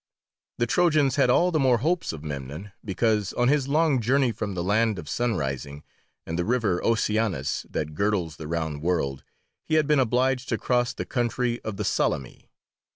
The Trojans had all the more hopes of Memnon because, on his long journey from the land of sunrising, and the river Oceanus that girdles the round world, he had been obliged to cross the country of the Solymi.